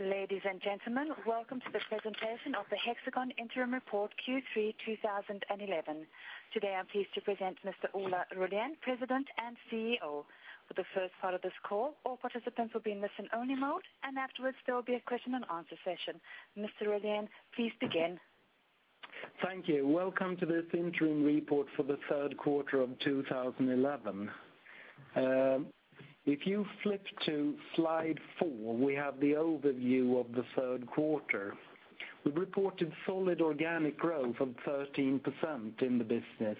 Ladies and gentlemen, welcome to the presentation of the Hexagon Interim Report Q3 2011. Today, I'm pleased to present Mr. Ola Rollén, President and CEO. For the first part of this call, all participants will be in listen-only mode, and afterwards, there will be a question-and-answer session. Mr. Rollén, please begin. Thank you. Welcome to this Interim Report for the Third Quarter of 2011. If you flip to slide four, we have the overview of the third quarter. We've reported solid organic growth of 13% in the business.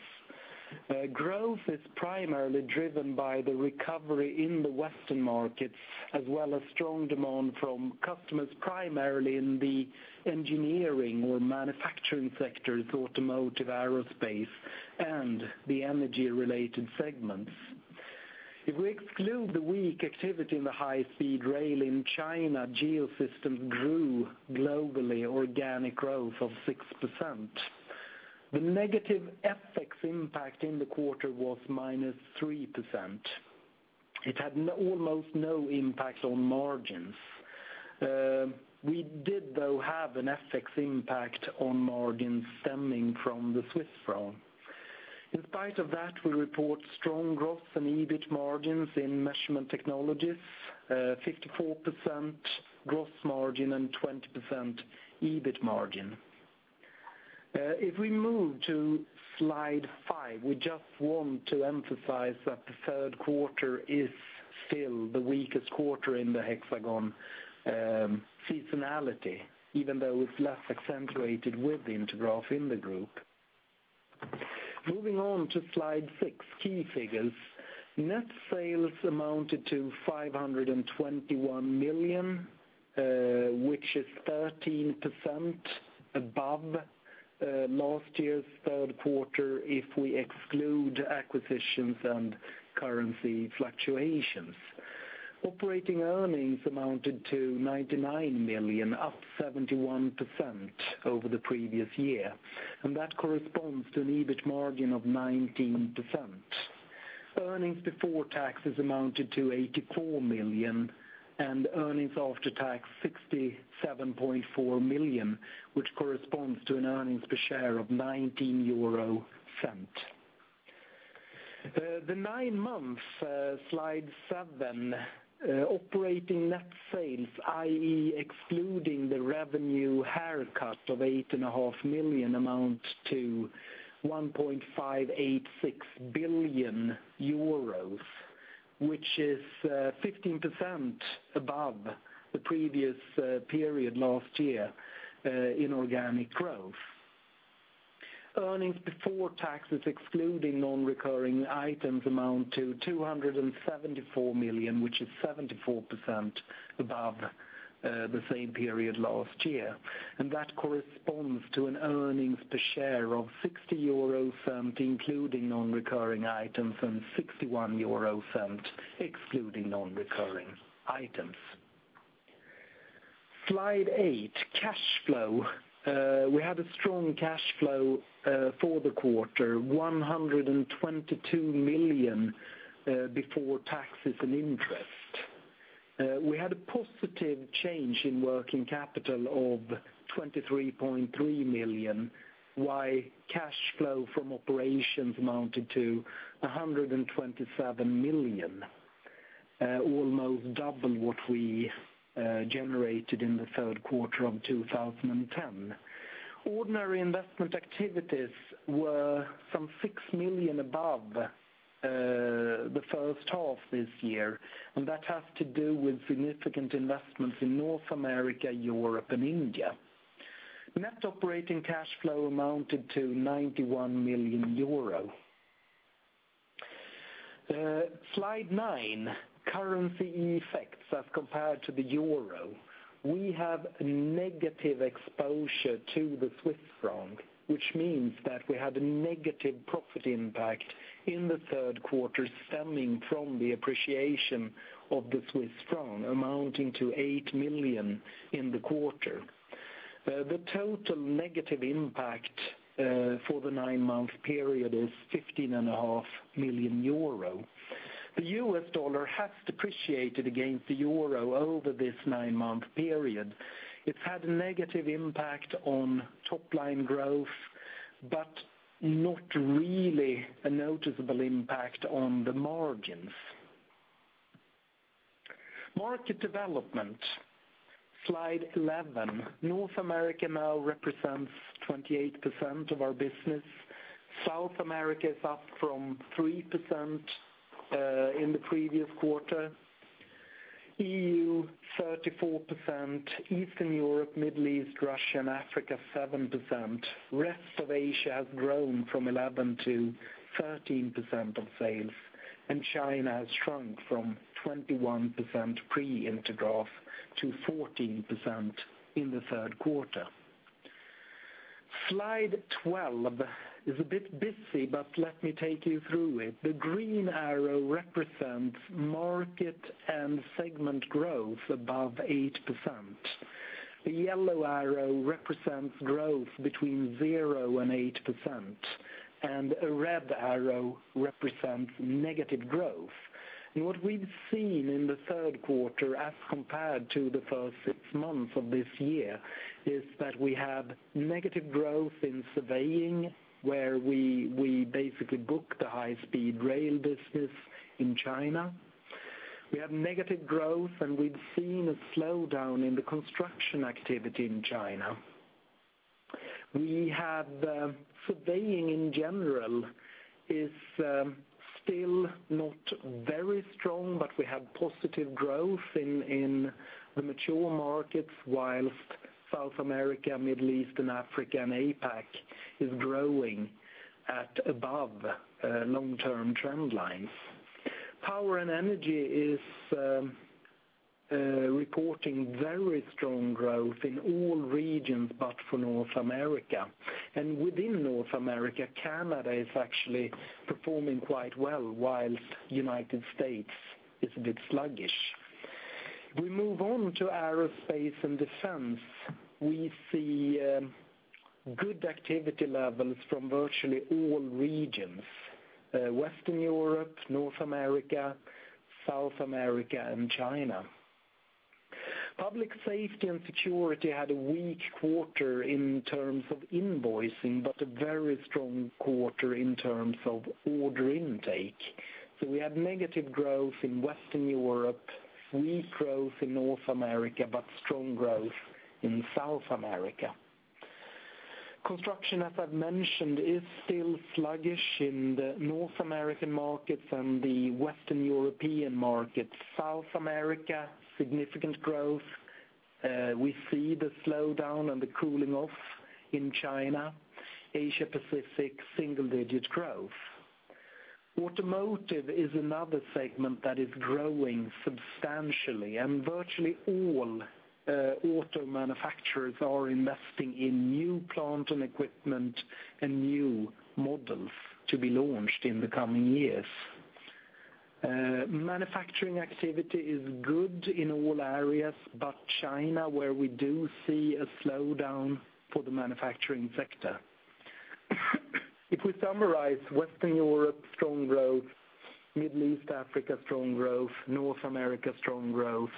Growth is primarily driven by the recovery in the Western markets, as well as strong demand from customers, primarily in the engineering or manufacturing sectors, automotive, aerospace, and the energy-related segments. If we exclude the weak activity in the high-speed rail in China, Geosystems grew globally, with organic growth of 6%. The negative FX impact in the quarter was -3%. It had almost no impact on margins. We did, though, have an FX impact on margins stemming from the Smithson. In spite of that, we report strong growth in EBIT margins in measurement technology, 54% gross margin and 20% EBIT margin. If we move to slide five, we just want to emphasize that the third quarter is still the weakest quarter in the Hexagon seasonality, even though it's less accentuated with the Intergraph in the group. Moving on to slide six, key figures. Net sales amounted to €521 million, which is 13% above last year's third quarter, if we exclude acquisitions and currency fluctuations. Operating earnings amounted to €99 million, up 71% over the previous year, and that corresponds to an EBIT margin of 19%. Earnings before taxes amounted to €84 million, and earnings after taxes, €67.4 million, which corresponds to an earnings per share of €19. The nine months, slide seven, operating net sales, i.e., excluding the revenue haircut of €8.5 million, amount to €1.586 billion, which is 15% above the previous period last year in organic growth. Earnings before taxes, excluding non-recurring items, amount to €274 million, which is 74% above the same period last year, and that corresponds to an earnings per share of €60, including non-recurring items, and €61, excluding non-recurring items. Slide eight, cash flow. We had a strong cash flow for the quarter, €122 million before taxes and interest. We had a positive change in working capital of €23.3 million, while cash flow from operations amounted to €127 million, almost double what we generated in the third quarter of 2010. Ordinary investment activities were some €6 million above the first half this year, and that has to do with significant investments in North America, Europe, and India. Net operating cash flow amounted to €91 million. Slide nine, currency effects as compared to the euro. We have a negative exposure to the Swiss franc, which means that we had a negative profit impact in the third quarter stemming from the appreciation of the Swiss franc, amounting to €8 million in the quarter. The total negative impact for the nine-month period is €15.5 million. The U.S. dollar has depreciated against the euro over this nine-month period. It's had a negative impact on top-line growth, but not really a noticeable impact on the margins. Market development, slide 11. North America now represents 28% of our business. South America is up from 3% in the previous quarter. EU, 34%. Eastern Europe, Middle East, Russia, and Africa, 7%. The rest of Asia has grown from 11%-13% of sales, and China has shrunk from 21% pre-Intergraph to 14% in the third quarter. Slide 12 is a bit busy, but let me take you through it. The green arrow represents market and segment growth above 8%. The yellow arrow represents growth between 0% and 8%, and a red arrow represents negative growth. What we've seen in the third quarter, as compared to the first six months of this year is that we have negative growth in surveying, where we basically book the high-speed rail business in China. We have negative growth, and we've seen a slowdown in the construction activity in China. Surveying in general is still not very strong, but we have positive growth in the mature markets, while South America, Middle East, and Africa and APAC is growing above long-term trend lines. Power and energy is reporting very strong growth in all regions, except for North America. Within North America, Canada is actually performing quite well, while the United States is a bit sluggish. We move on to aerospace and defense. We see good activity levels from virtually all regions: Western Europe, North America, South America, and China. Public safety and security had a weak quarter in terms of invoicing, but a very strong quarter in terms of order intake. We had negative growth in Western Europe, weak growth in North America, but strong growth in South America. Construction, as I've mentioned, is still sluggish in the North American markets and the Western European markets. South America, significant growth. We see the slowdown and the cooling off in China. Asia-Pacific, single-digit growth. Automotive is another segment that is growing substantially, and virtually all auto manufacturers are investing in new plant and equipment and new models to be launched in the coming years. Manufacturing activity is good in all areas, but China, where we do see a slowdown for the manufacturing sector. If we summarize, Western Europe, strong growth; Middle East, Africa, strong growth; North America, strong growth;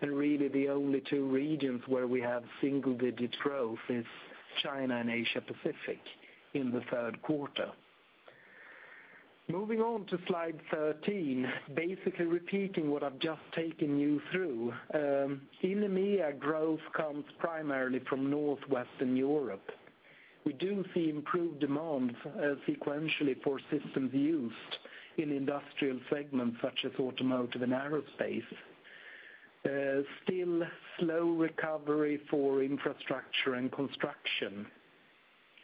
and really, the only two regions where we have single-digit growth is China and Asia-Pacific in the third quarter. Moving on to slide 13, basically repeating what I've just taken you through. In EMEA, growth comes primarily from Northwestern Europe. We do see improved demands sequentially for systems use in industrial segments such as automotive and aerospace. Still, slow recovery for infrastructure and construction.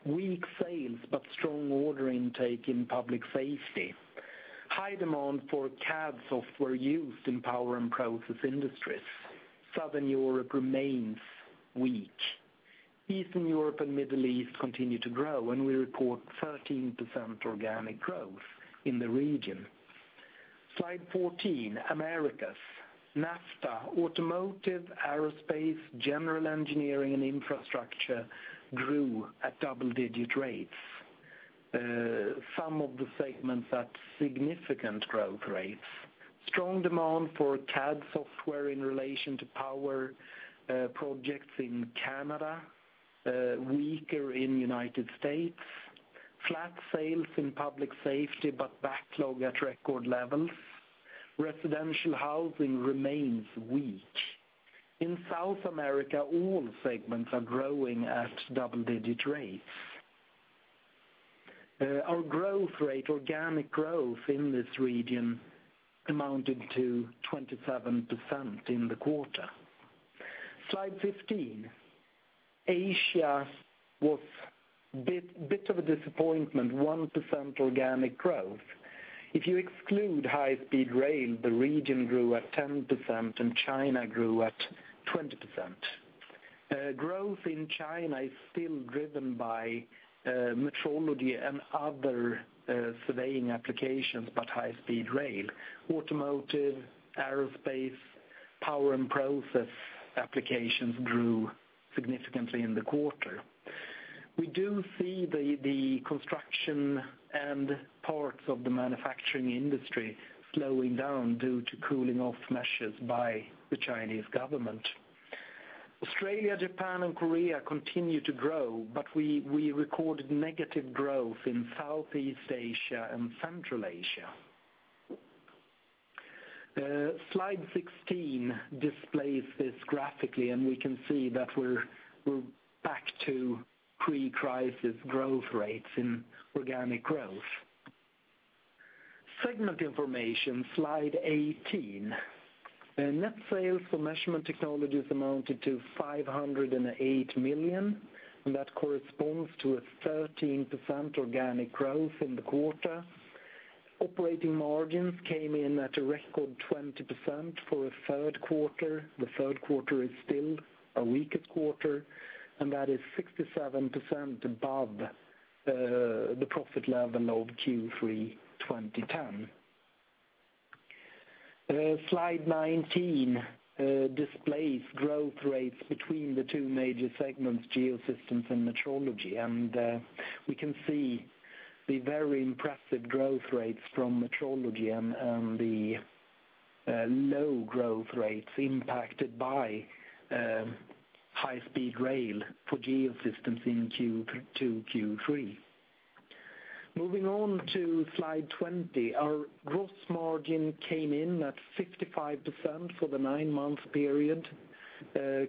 Weak sales, but strong order intake in public safety. High demand for CAD software used in power and process industries. Southern Europe remains weak. Eastern Europe and Middle East continue to grow, and we report 13% organic growth in the region. Slide 14, Americas. NAFTA, automotive, aerospace, general engineering, and infrastructure grew at double-digit rates. Some of the segments had significant growth rates. Strong demand for CAD software in relation to power projects in Canada, weaker in the United States. Flat sales in public safety, but backlog at record levels. Residential housing remains weak. In South America, all segments are growing at double-digit rates. Our growth rate, organic growth in this region, amounted to 27% in the quarter. Slide 15. Asia was a bit of a disappointment, 1% organic growth. If you exclude high-speed rail, the region grew at 10%, and China grew at 20%. Growth in China is still driven by metrology and other surveying applications, but high-speed rail. Automotive, aerospace, power and process applications grew significantly in the quarter. We do see the construction and parts of the manufacturing industry slowing down due to cooling off measures by the Chinese government. Australia, Japan, and Korea continue to grow, but we recorded negative growth in Southeast Asia and Central Asia. Slide 16 displays this graphically, and we can see that we're back to pre-crisis growth rates in organic growth. Segment information, slide 18. Net sales for measurement technologies amounted to €508 million, and that corresponds to a 13% organic growth in the quarter. Operating margins came in at a record 20% for a third quarter. The third quarter is still our weakest quarter, and that is 67% above the profit level of Q3 2010. Slide 19 displays growth rates between the two major segments, Geosystems and Metrology, and we can see the very impressive growth rates from Metrology and the low growth rates impacted by high-speed rail for Geosystems in Q2 and Q3. Moving on to slide 20, our gross margin came in at 55% for the nine-month period,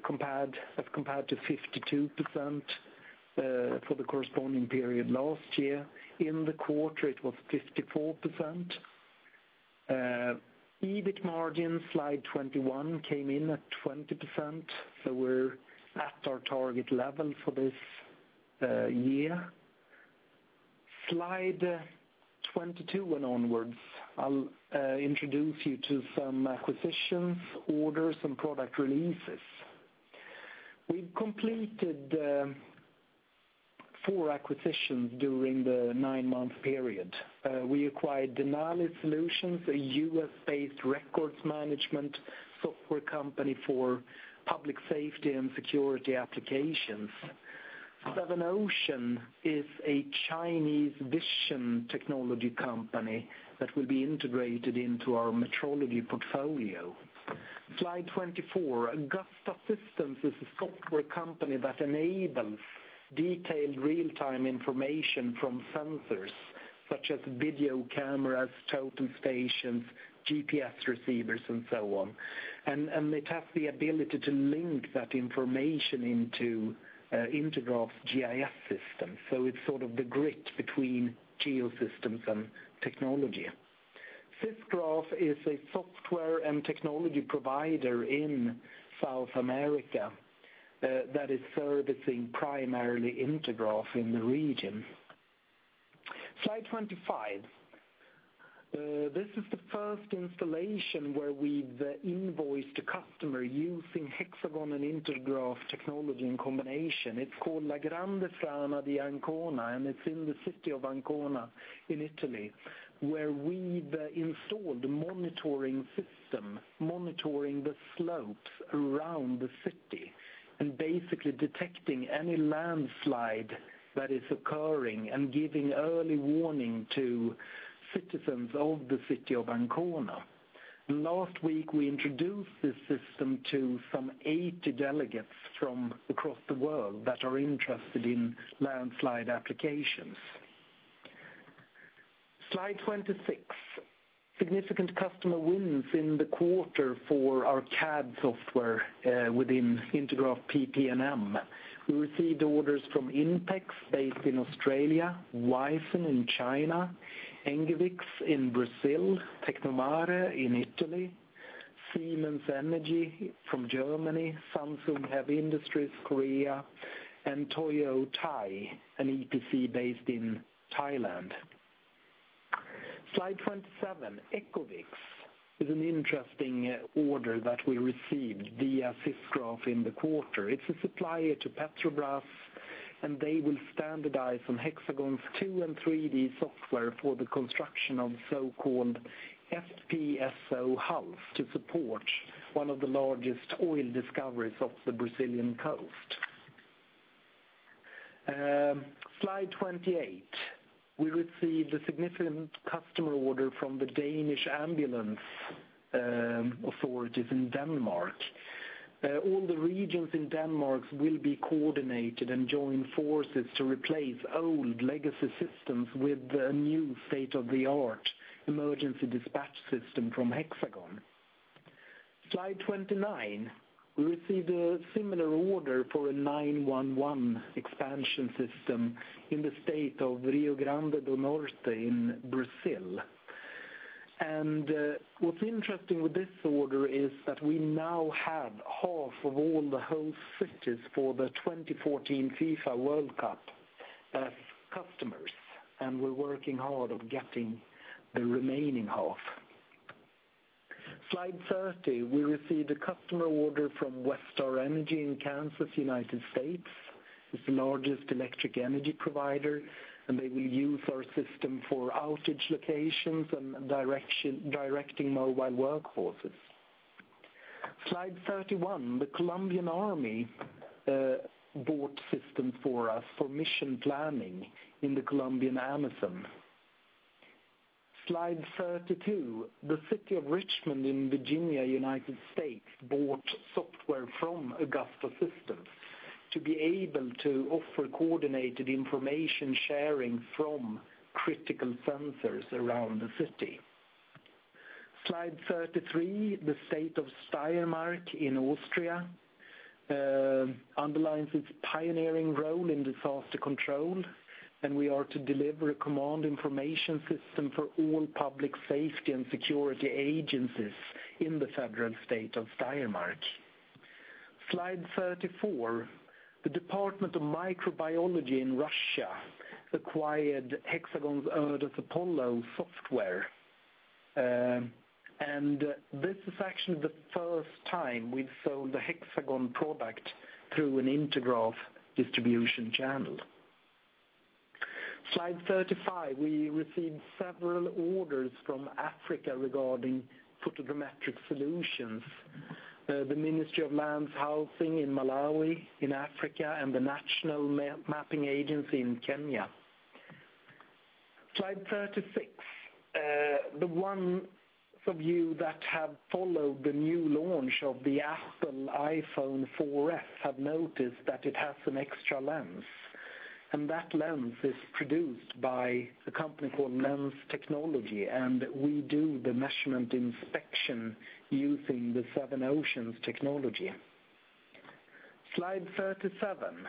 compared to 52% for the corresponding period last year. In the quarter, it was 54%. EBIT margins, slide 21, came in at 20%. We're at our target level for this year. Slide 22 and onwards, I'll introduce you to some acquisitions, orders, and product releases. We've completed four acquisitions during the nine-month period. We acquired Denali Solutions, a U.S.-based records management software company for public safety and security applications. Seven Ocean is a Chinese vision technology company that will be integrated into our metrology portfolio. Slide 24, Augusta Systems is a software company that enables detailed real-time information from sensors such as video cameras, totem stations, GPS receivers, and so on. It has the ability to link that information into Intergraph's GIS systems. It's sort of the grid between Geosystems and technology. Sysgraph is a software and technology provider in South America that is servicing primarily Intergraph's in the region. Slide 25. This is the first installation where we've invoiced a customer using Hexagon and Intergraph technology in combination. It's called La grande frana di Ancona, and it's in the city of Ancona in Italy, where we've installed a monitoring system monitoring the slopes around the city and basically detecting any landslide that is occurring and giving early warning to citizens of the city of Ancona. Last week, we introduced this system to some 80 delegates from across the world that are interested in landslide applications. Slide 26. Significant customer wins in the quarter for our CAD software within Intergraph PP&M. We received orders from INPEX based in Australia, Weiss in China, Engevix in Brazil, Tecnomare in Italy, Siemens Energy from Germany, Samsung Heavy Industries Korea, and Toyota, an EPC based in Thailand. Slide 27. Ecovix is an interesting order that we received via Sysgraph in the quarter. It's a supplier to Petrobras, and they will standardize on Hexagon's 2D and 3D software for the construction of so-called FPSO hulls to support one of the largest oil discoveries off the Brazilian coast. Slide 28. We received a significant customer order from the Danish Ambulance Authorities in Denmark. All the regions in Denmark will be coordinated and join forces to replace old legacy systems with a new state-of-the-art emergency dispatch system from Hexagon. Slide 29. We received a similar order for a 911 expansion system in the state of Rio Grande do Norte in Brazil. What's interesting with this order is that we now had half of all the hull switches for the 2014 FIFA World Cup customers, and we're working hard on getting the remaining half. Slide 30. We received a customer order from Westar Energy in Kansas, United States. It's the largest electric energy provider, and they will use our system for outage locations and directing mobile workforces. Slide 31. The Colombian Army bought systems for us for mission planning in the Colombian Amazon. Slide 32. The city of Richmond in Virginia, United States, bought software from Augusta Systems to be able to offer coordinated information sharing from critical sensors around the city. Slide 33. The state of Steirmark in Austria underlines its pioneering role in disaster control, and we are to deliver a command information system for all public safety and security agencies in the federal state of Steirmark. Slide 34. The Department of Microbiology in Russia acquired Hexagon's ERDAS APOLLO software, and this is actually the first time we've sold a Hexagon product through an Intergraph distribution channel. Slide 35. We received several orders from Africa regarding photogrammetric solutions. The Ministry of Lands Housing in Malawi, in Africa, and the National Mapping Agency in Kenya. Slide 36. Those of you that have followed the new launch of the Apple iPhone 4s have noticed that it has an extra lens, and that lens is produced by a company called Lens Technology, and we do the measurement inspection using the Seven Ocean technology. Slide 37.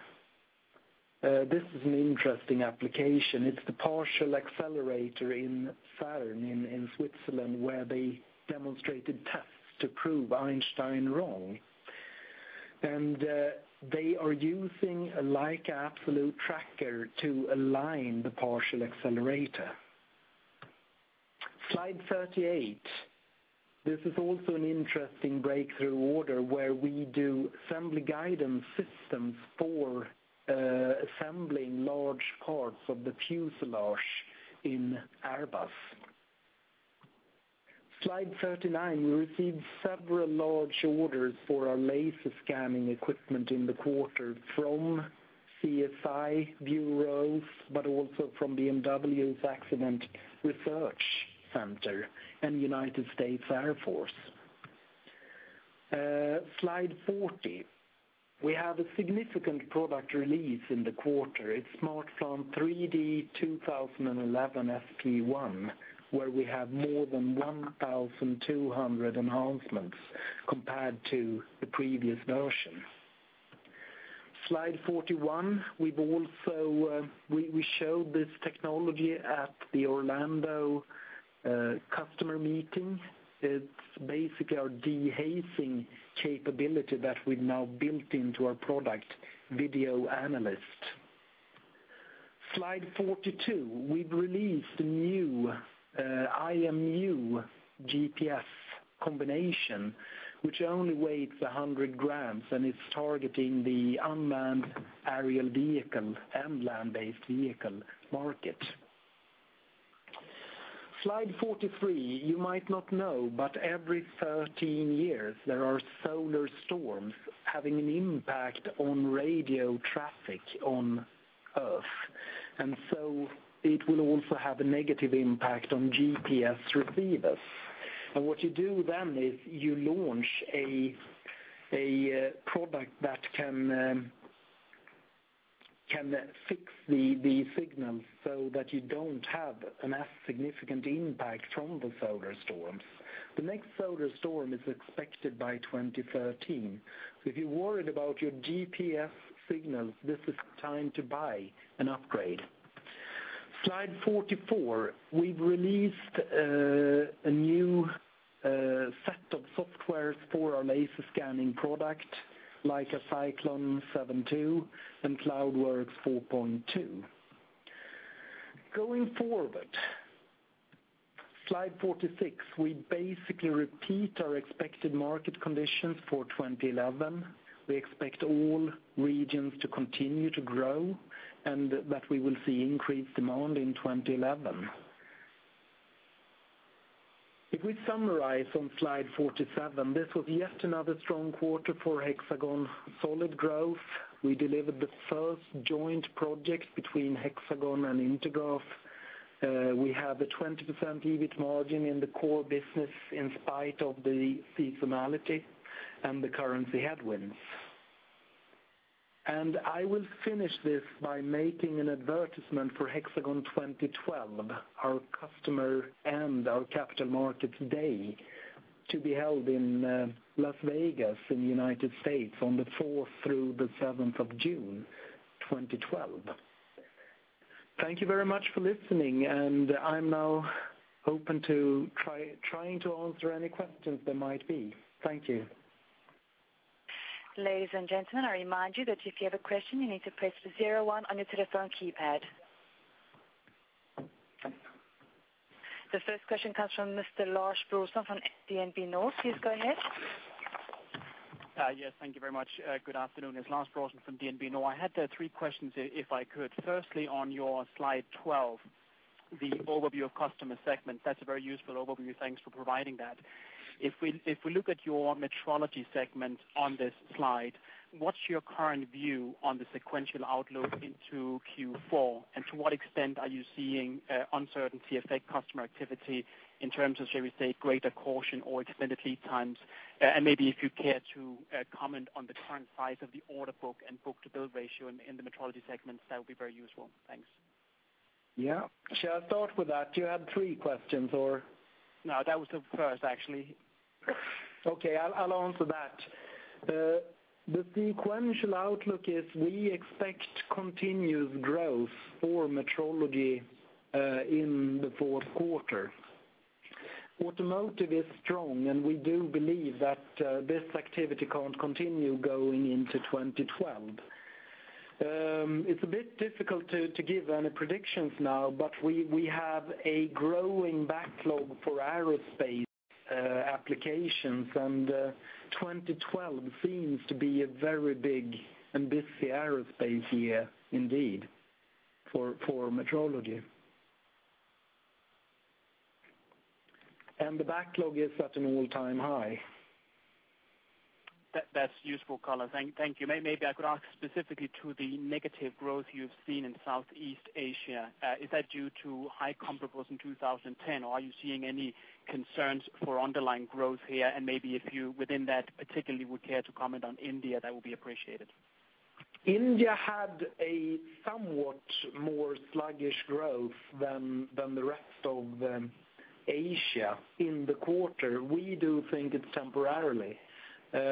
This is an interesting application. It's the particle accelerator in CERN in Switzerland, where they demonstrated tests to prove Einstein wrong. They are using a Leica absolute tracker to align the particle accelerator. Slide 38. This is also an interesting breakthrough order where we do assembly guidance systems for assembling large parts of the fuselage in Airbus. Slide 39. We received several large orders for our laser scanning equipment in the quarter from CSI bureaus, but also from BMW's Accident Research Center and United States Air Force. Slide 40. We have a significant product release in the quarter. It's Smart 3D 2011 SV1, where we have more than 1,200 enhancements compared to the previous version. Slide 41. We showed this technology at the Orlando customer meeting. It's basically our dehazing capability that we've now built into our product, Video Analyst. Slide 42. We've released a new IMU GPS combination, which only weighs 100 grams and is targeting the unmanned aerial vehicle and land-based vehicle market. Slide 43. You might not know, but every 13 years, there are solar storms having an impact on radio traffic on Earth, and it will also have a negative impact on GPS receivers. What you do then is you launch a product that can fix the signals so that you don't have a significant impact from the solar storms. The next solar storm is expected by 2013.If you're worried about your GPS signals, this is time to buy an upgrade. Slide 44. We've released a new set of softwares for our laser scanning product, like Cyclone 7.2 and CloudWorx 4.2. Going forward, slide 46. We basically repeat our expected market conditions for 2011. We expect all regions to continue to grow and that we will see increased demand in 2011. If we summarize on slide 47, this was yet another strong quarter for Hexagon solid growth. We delivered the first joint project between Hexagon and Intergraph. We have a 20% EBIT margin in the core business in spite of the seasonality and the currency headwinds. I will finish this by making an advertisement for Hexagon 2012, our customer and our capital markets day, to be held in Las Vegas in the United States on the 4th through the 7th of June 2012.Thank you very much for listening, and I'm now open to trying to answer any questions there might be. Thank you. Ladies and gentlemen, I remind you that if you have a question, you need to press zero one on your telephone keypad. The first question comes from Mr. Lars Brorson from DNB North. Please go ahead. Yes, thank you very much. Good afternoon. It's Lars Brorson from DNB North. I had three questions, if I could. Firstly, on your slide 12, the overview of customer segment, that's a very useful overview. Thanks for providing that. If we look at your metrology segment on this slide, what's your current view on the sequential outlook into Q4, and to what extent are you seeing uncertainty affect customer activity in terms of, shall we say, greater caution or extended lead times? Maybe if you care to comment on the current size of the order book and book-to-bill ratio in the metrology segments, that would be very useful. Thanks. Yeah. Shall I start with that? You had three questions, or? No, that was the first, actually. Okay, I'll answer that. The sequential outlook is we expect continuous growth for metrology in the fourth quarter. Automotive is strong, and we do believe that this activity can't continue going into 2012. It's a bit difficult to give any predictions now, but we have a growing backlog for aerospace applications. 2012 seems to be a very big and busy aerospace year indeed for metrology, and the backlog is at an all-time high. That's useful, Ola. Thank you. Maybe I could ask specifically to the negative growth you've seen in Southeast Asia. Is that due to high comparables in 2010, or are you seeing any concerns for underlying growth here? If you, within that particularly, would care to comment on India, that would be appreciated. India had a somewhat more sluggish growth than the rest of Asia in the quarter. We do think it's temporary.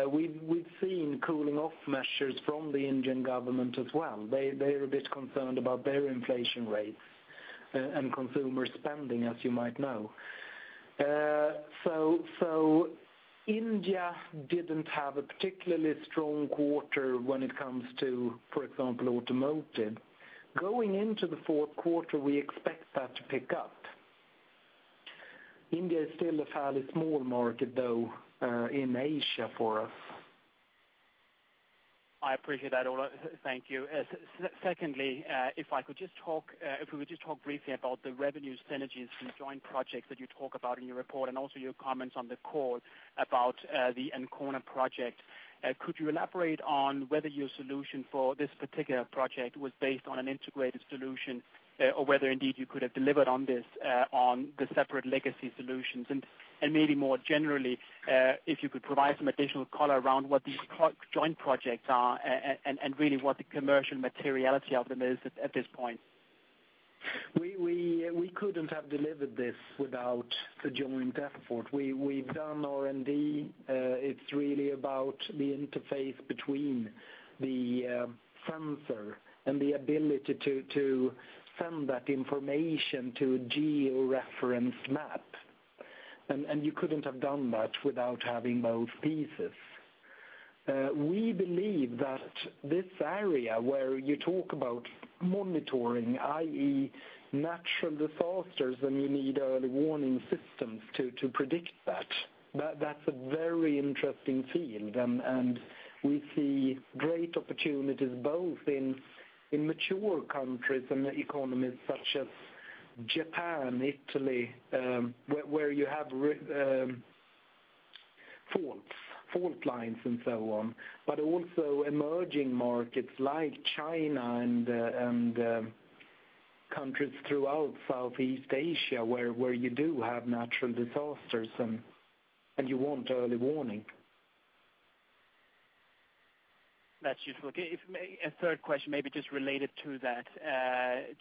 We've seen cooling-off measures from the Indian government as well. They're a bit concerned about their inflation rates and consumer spending, as you might know. India didn't have a particularly strong quarter when it comes to, for example, automotive. Going into the fourth quarter, we expect that to pick up. India is still a fairly small market, though, in Asia for us. I appreciate that, Ola. Thank you. Secondly, if I could just talk, if we would just talk briefly about the revenue synergies and joint projects that you talk about in your report and also your comments on the call about the Ancona project. Could you elaborate on whether your solution for this particular project was based on an integrated solution or whether indeed you could have delivered on this on the separate legacy solutions? Maybe more generally, if you could provide some additional color around what these joint projects are and really what the commercial materiality of them is at this point. We couldn't have delivered this without the joint effort. We've done R&D. It's really about the interface between the sensor and the ability to send that information to a georeferenced map. You couldn't have done that without having both pieces. We believe that this area where you talk about monitoring, i.e., natural disasters, and you need early warning systems to predict that, is a very interesting theme. We see great opportunities both in mature countries and economies such as Japan and Italy, where you have fault lines and so on, but also emerging markets like China and countries throughout Southeast Asia, where you do have natural disasters and you want early warning. That's useful. A third question, maybe just related to that,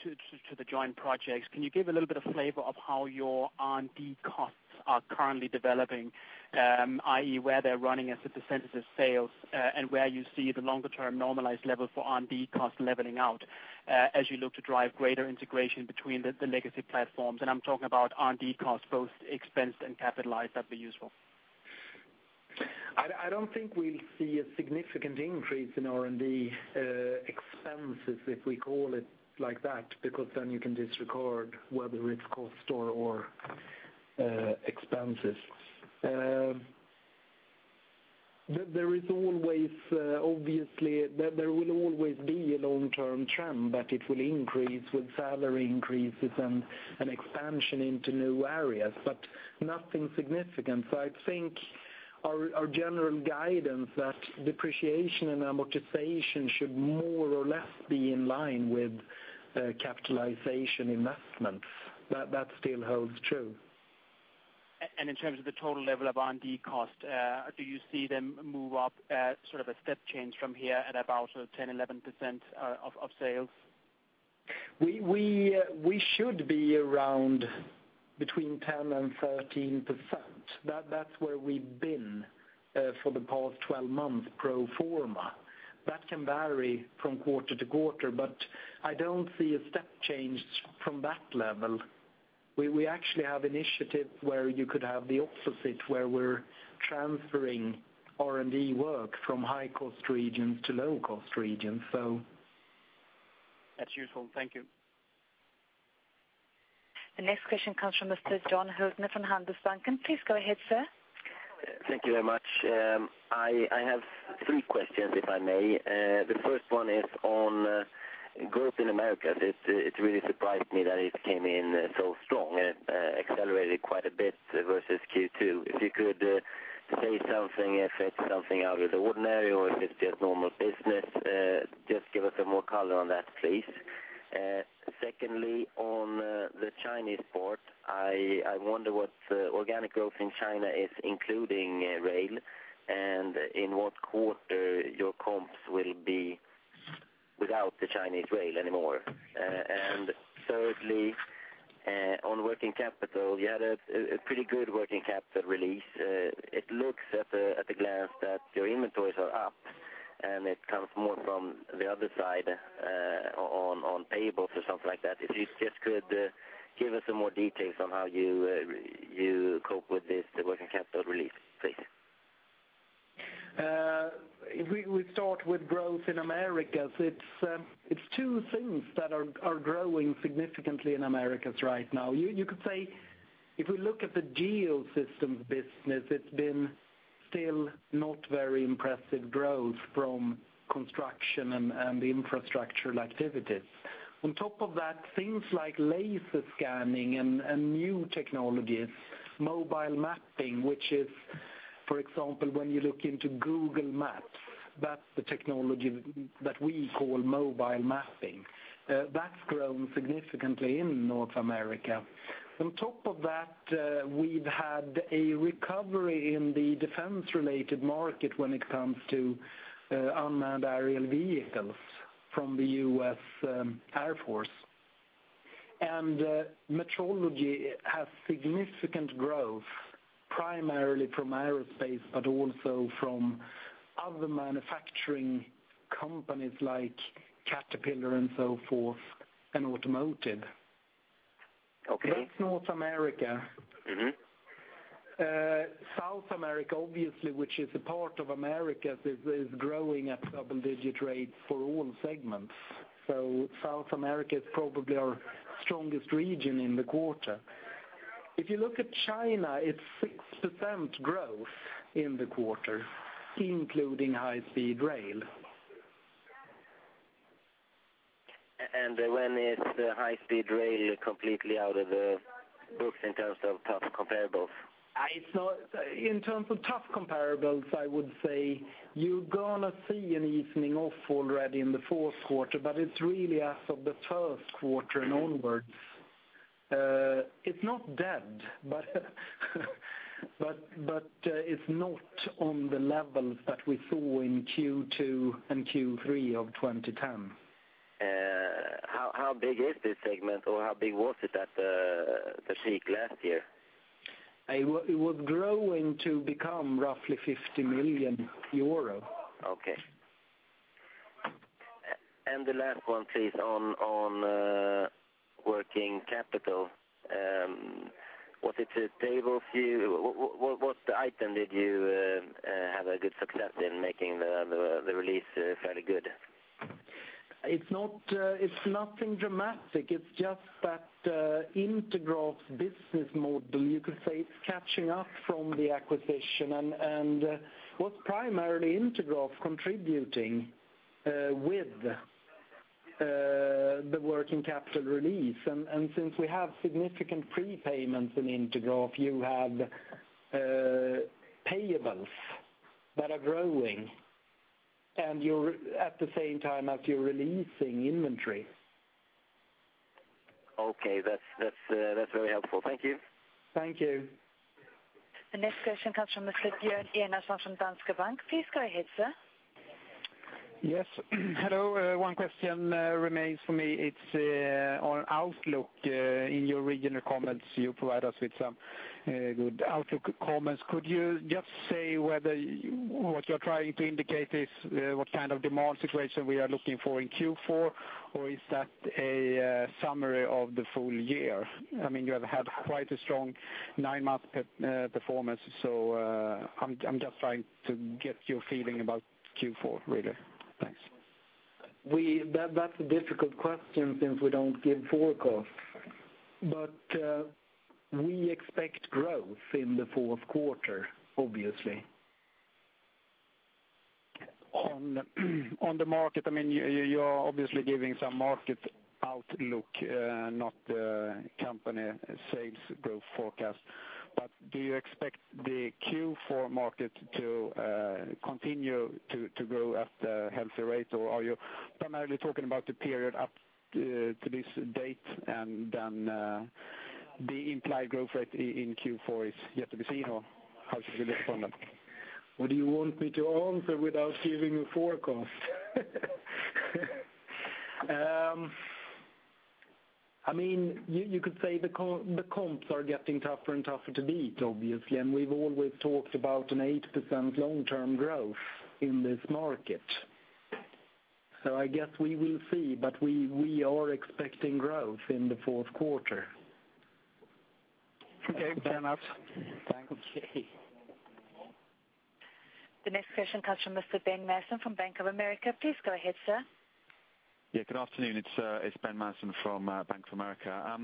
to the joint projects. Can you give a little bit of flavor of how your R&D costs are currently developing, i.e., where they're running as the percentage of sales and where you see the longer-term normalized level for R&D costs leveling out as you look to drive greater integration between the legacy platforms? I'm talking about R&D costs, both expensed and capitalized. That would be useful. I don't think we see a significant increase in R&D expenses if we call it like that, because then you can just record whether it's cost or expenses. There is always, obviously, there will always be a long-term trend that it will increase with salary increases and expansion into new areas, but nothing significant. I think our general guidance is that depreciation and amortization should more or less be in line with capitalization investments. That still holds true. In terms of the total level of R&D cost, do you see them move up sort of a step change from here at about 10% or 11% of sales? We should be around between 10% and 13%. That's where we've been for the past 12 months pro forma. That can vary from quarter to-quarter, but I don't see a step change from that level. We actually have initiatives where you could have the opposite, where we're transferring R&D work from high-cost regions to low-cost regions. That's useful. Thank you. The next question comes from [Mr. John Hilden] from Handelsbanken. Please go ahead, sir. Thank you very much. I have three questions, if I may. The first one is on growth in Americas. It really surprised me that it came in so strong. It accelerated quite a bit versus Q2. If you could say something, if it's something out of the ordinary or if it's just normal business, just give us some more color on that, please. Secondly, on the Chinese part, I wonder what organic growth in China is including rail and in what quarter your comps will be without the Chinese rail anymore. Thirdly, on working capital, you had a pretty good working capital release. It looks at the glance that your inventories are up, and it comes more from the other side on payables or something like that. If you just could give us some more details on how you cope with this working capital release, please. If we start with growth in Americas, it's two things that are growing significantly in Americas right now. You could say if we look at the Geosystems business, it's been still not very impressive growth from construction and the infrastructural activity. On top of that, things like laser scanning and new technologies, mobile mapping, which is, for example, when you look into Google Maps, that's the technology that we call mobile mapping. That's grown significantly in North America. On top of that, we've had a recovery in the defense-related market when it comes to unmanned aerial vehicles from the U.S. Air Force. Metrology has significant growth primarily from aerospace, but also from other manufacturing companies like Caterpillar and so forth and automotive. That's North America. South America, obviously, which is a part of America, is growing at double-digit rates for all segments. South America is probably our strongest region in the quarter. If you look at China, it's 6% growth in the quarter, including high-speed rail. When it's the high-speed rail, completely out of the books in terms of tough comparables. In terms of tough comparables, I would say you're going to see an evening off already in the fourth quarter, but it's really as of the first quarter and onwards. It's not dead, but it's not on the levels that we saw in Q2 and Q3 of 2010. How big is this segment, or how big was it at the peak last year? It was growing to become roughly €50 million. Okay. The last one, please, on working capital. Was it a table for you? What item did you have a good success in making the release fairly good? It's nothing dramatic. It's just that Intergraph's business model, you could say, is catching up from the acquisition. It was primarily Intergraph contributing with the working capital release. Since we have significant prepayments in Intergraph, you had payables that are growing, and you're at the same time that you're releasing inventory. Okay. That's very helpful. Thank you. Thank you. The next question comes from Mr. Björn Enarson from Danske Bank. Please go ahead, sir. Yes. Hello. One question remains for me. It's on outlook. In your regional comments, you provide us with some good outlook comments. Could you just say whether what you're trying to indicate is what kind of demand situation we are looking for in Q4, or is that a summary of the full year? I mean, you have had quite a strong nine-month performance, so I'm just trying to get your feeling about Q4, really. Thanks. That's a difficult question since we don't give forecasts, but we expect growth in the fourth quarter, obviously. On the market, I mean, you're obviously giving some market outlook, not the company sales growth forecast. Do you expect the Q4 market to continue to grow at a healthy rate, or are you primarily talking about the period up to this date and then the implied growth rate in Q4 is yet to be seen, or how is it related to them? What do you want me to answer without giving a forecast? You could say the comps are getting tougher and tougher to beat, obviously. We've always talked about an 8% long-term growth in this market. I guess we will see, but we are expecting growth in the fourth quarter. Okay. Fair enough. Thanks. The next question comes from Mr. Ben Maslen from Bank of America. Please go ahead, sir. Good afternoon. It's Ben Maslen from Bank of America.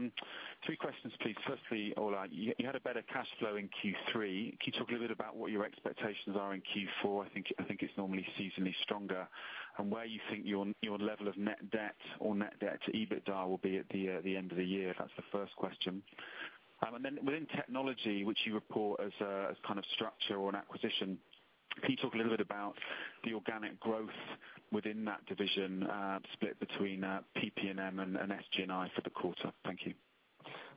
Three questions, please. Firstly, Ola, you had a better cash flow in Q3. Can you talk a little bit about what your expectations are in Q4? I think it's normally seasonally stronger. Where do you think your level of net debt or net debt to EBITDA will be at the end of the year? That's the first question. Within technology, which you report as kind of structure or an acquisition, can you talk a little bit about the organic growth within that division, split between PP&M and SG&I for the quarter? Thank you.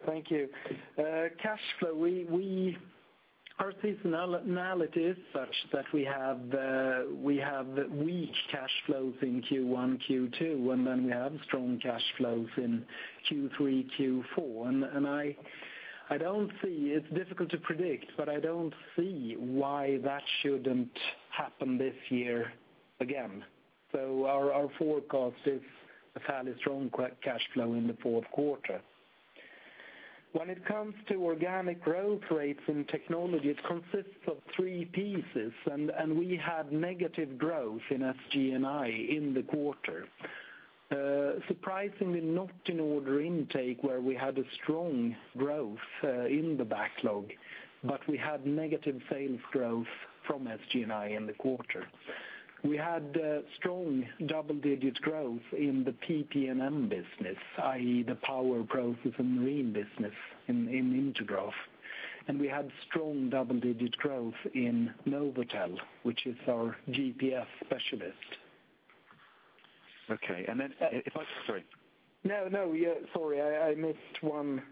Thank you. Cash flow, we are seeing nowadays that we have weak cash flows in Q1 and Q2, and then we have strong cash flows in Q3 and Q4. I don't see, it's difficult to predict, but I don't see why that shouldn't happen this year again. Our forecast is a fairly strong cash flow in the fourth quarter. When it comes to organic growth rates in technology, it consists of three pieces. We had negative growth in SG&I in the quarter. Surprisingly, not in order intake where we had strong growth in the backlog, but we had negative sales growth from SG&I in the quarter. We had strong double-digit growth in the PP&M business, i.e., the power, process, and marine business in Intergraph. We had strong double-digit growth in NovAtel, which is our GPS specialist. Okay, if I—sorry. Sorry. I missed one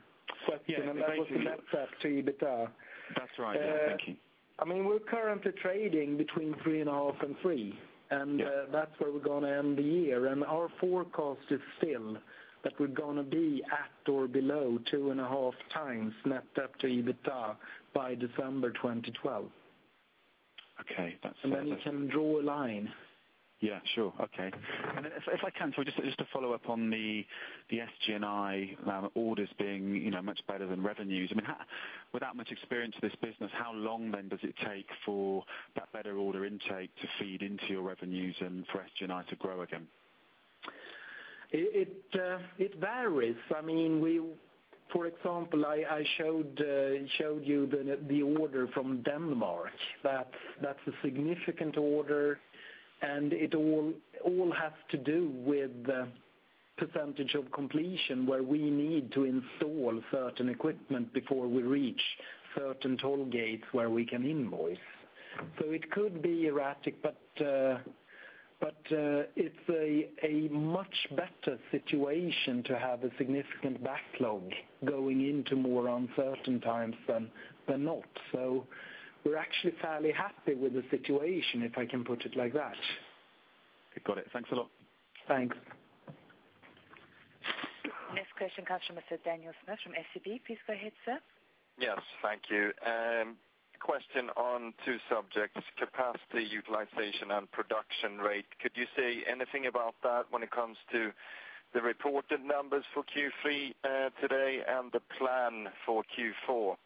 question, and that was net debt to EBITDA. That's right. Thank you. I mean, we're currently trading between 3.5x and 3x, and that's where we're going to end the year. Our forecast is still that we're going to be at or below 2.5x net debt to EBITDA by December 2012. Okay, that's fair. You can draw a line. Okay. If I can, just to follow up on the SG&I orders being much better than revenues. Without much experience in this business, how long does it take for that better order intake to feed into your revenues and for SG&I to grow again? It varies. For example, I showed you the order from Denmark. That's a significant order. It all has to do with the percentage of completion where we need to install certain equipment before we reach certain toll gates where we can invoice. It could be erratic, but it's a much better situation to have a significant backlog going into more uncertain times than not. We're actually fairly happy with the situation, if I can put it like that. Okay. Got it. Thanks a lot. Thanks. The next question comes from [Mr. Daniel Djurberg] from SEB. Please go ahead, sir. Yes. Thank you. A question on two subjects: capacity, utilization, and production rate. Could you say anything about that when it comes to the reported numbers for Q3 today and the plan for Q4?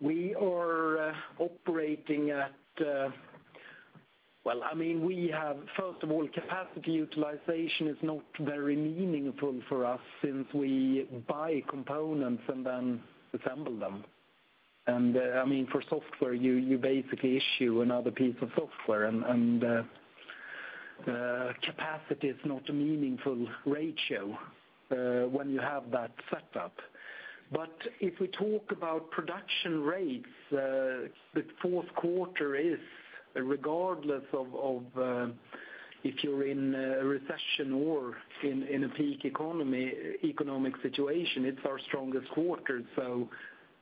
We are operating at, I mean, we have, first of all, capacity utilization is not very meaningful for us since we buy components and then assemble them. I mean, for software, you basically issue another piece of software, and capacity is not a meaningful ratio when you have that setup. If we talk about production rates, the fourth quarter is, regardless of if you're in a recession or in a peak economic situation, it's our strongest quarter.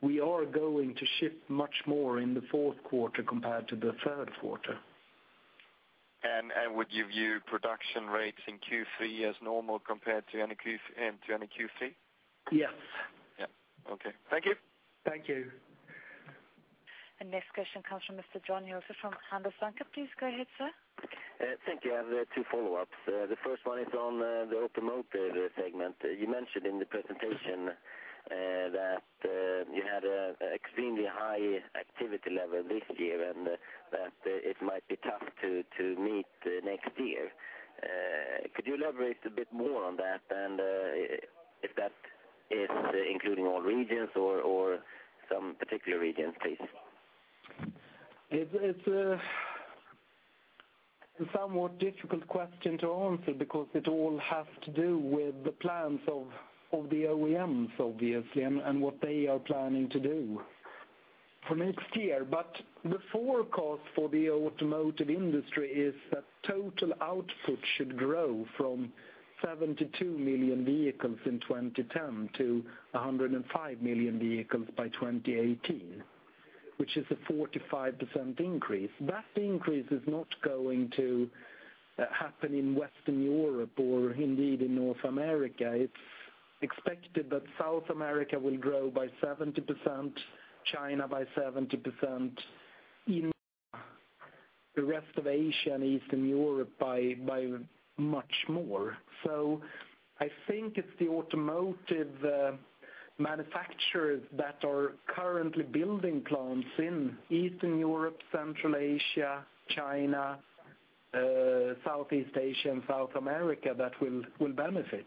We are going to ship much more in the fourth quarter compared to the third quarter. Would you view production rates in Q3 as normal compared to end of Q3? Yes. Okay. Thank you. Thank you. The next question comes from [Mr. John Joseph] from Handelsbanken. Please go ahead, sir. Thank you. I have two follow-ups. The first one is on the automotive segment. You mentioned in the presentation that you had an extremely high activity level this year and that it might be tough to meet next year. Could you elaborate a bit more on that? If that is including all regions or some particular regions, please? It's a somewhat difficult question to answer because it all has to do with the plans of the OEMs, obviously, and what they are planning to do for next year. The forecast for the automotive industry is that total output should grow from 72 million vehicles in 2010 to 105 million vehicles by 2018, which is a 45% increase. That increase is not going to happen in Western Europe or indeed in North America. It is expected that South America will grow by 70%, China by 70%, the rest of Asia and Eastern Europe by much more. I think it's the automotive manufacturers that are currently building plants in Eastern Europe, Central Asia, China, Southeast Asia, and South America that will benefit.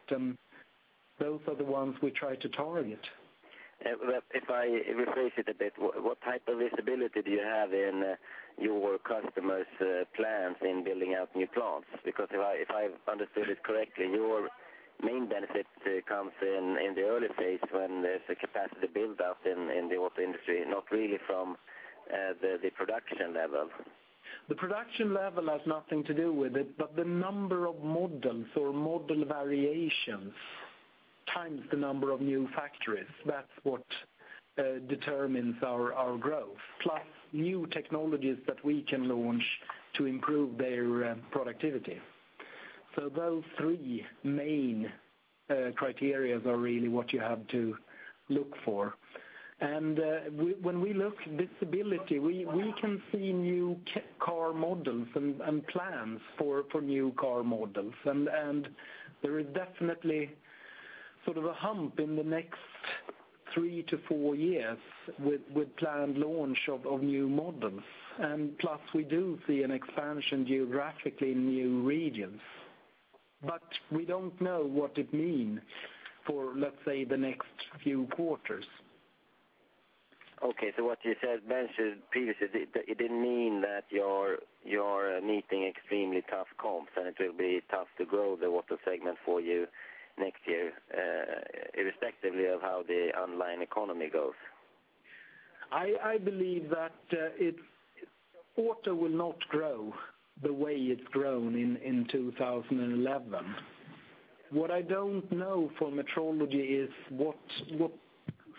Those are the ones we try to target. If I rephrase it a bit, what type of visibility do you have in your customers' plans in building out new plants? Because if I understood it correctly, your main benefit comes in the early phase when there's a capacity build-up in the automotive industry, not really from the production level. The production level has nothing to do with it, but the number of models or model variations times the number of new factories. That's what determines our growth, plus new technologies that we can launch to improve their productivity. Those three main criteria are really what you have to look for. When we look at visibility, we can see new car models and plans for new car models. There is definitely sort of a hump in the next three to four years with planned launch of new models. We do see an expansion geographically in new regions. We don't know what it means for, let's say, the next few quarters. Okay. You mentioned previously that it didn't mean that you're meeting extremely tough comps, and it will be tough to grow the auto segment for you next year, irrespectively of how the online economy goes. I believe that auto will not grow the way it's grown in 2011. What I don't know for metrology is what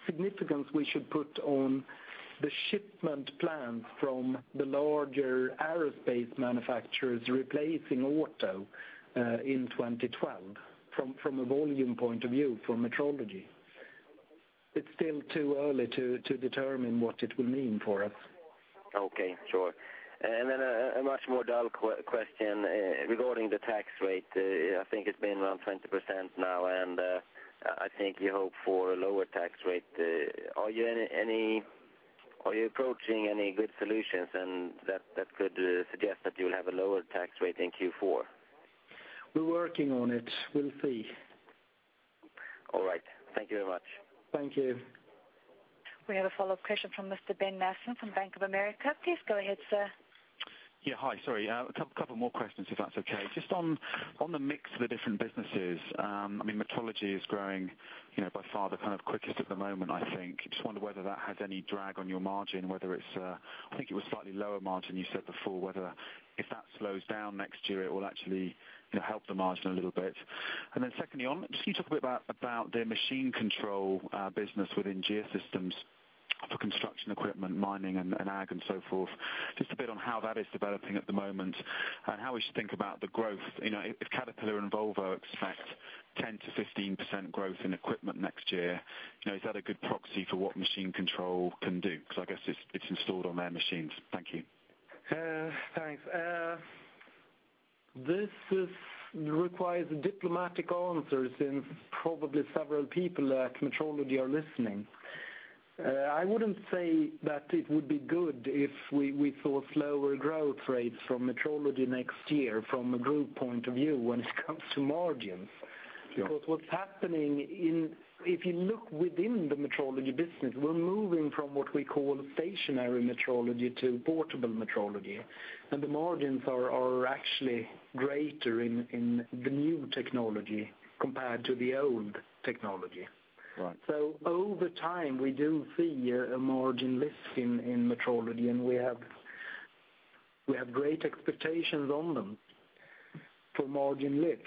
significance we should put on the shipment plans from the larger aerospace manufacturers replacing auto in 2012 from a volume point of view for metrology. It's still too early to determine what it will mean for us. Okay. Sure. A much more direct question regarding the tax rate. I think it's been around 20% now, and I think you hope for a lower tax rate. Are you approaching any good solutions that could suggest that you will have a lower tax rate in Q4? We're working on it. We'll see. All right. Thank you very much. Thank you. We have a follow-up question from Mr. Ben Maslen from Bank of America. Please go ahead, sir. Yeah. Hi. Sorry. A couple more questions, if that's okay. Just on the mix of the different businesses. I mean, metrology is growing, you know, by far the kind of quickest at the moment, I think. I just wonder whether that has any drag on your margin, whether it's, I think it was slightly lower margin you said before, whether if that slows down next year, it will actually help the margin a little bit. Then secondly, just can you talk a bit about the machine control business within Geosystems for construction equipment, mining, and ag, and so forth? Just a bit on how that is developing at the moment and how we should think about the growth. You know, if Caterpillar and Volvo expect 10%-15% growth in equipment next year, you know, is that a good proxy for what machine control can do? Because I guess it's installed on their machines. Thank you. Thanks. This requires diplomatic answers since probably several people at metrology are listening. I wouldn't say that it would be good if we saw slower growth rates from metrology next year from a group point of view when it comes to margins. What's happening in, if you look within the metrology business, we're moving from what we call stationary metrology to portable metrology. The margins are actually greater in the new technology compared to the old technology. Right. Over time, we do see a margin lift in metrology, and we have great expectations on them for margin lift.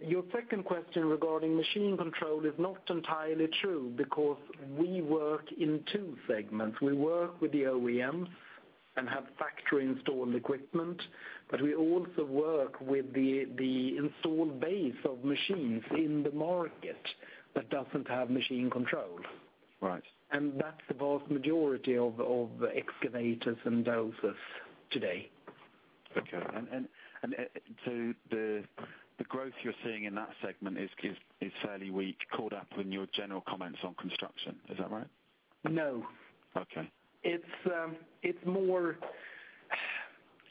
Your second question regarding machine control is not entirely true because we work in two segments. We work with the OEM and have factory-installed equipment, but we also work with the installed base of machines in the market that doesn't have machine control. Right.That's the vast majority of excavators and dozers today. Okay. The growth you're seeing in that segment is fairly weak, caught up in your general comments on construction. Is that right? No. Okay. It's more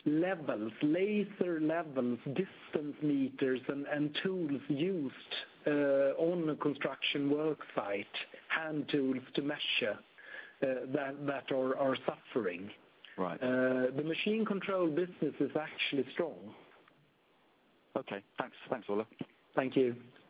levels, laser levels, distance meters, and tools used on the construction worksite, hand tools to measure, that are suffering. Right. The machine control business is actually strong. Okay. Thanks, Ola. Thank you.